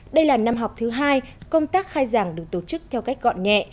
đây là năm học thứ hai công tác khai giảng được tổ chức theo cách gọn nhẹ